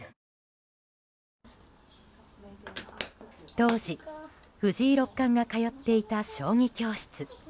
当時、藤井六冠が通っていた将棋教室。